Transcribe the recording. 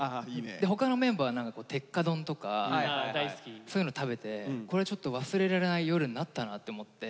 で他のメンバーは鉄火丼とかそういうの食べてこれちょっと忘れられない夜になったなって思って。